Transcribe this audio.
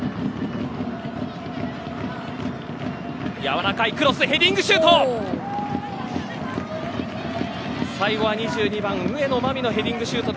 やわらかいクロスヘディングシュート。